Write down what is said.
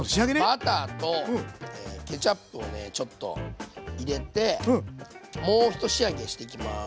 バターとケチャップをねちょっと入れてもう一仕上げしていきます。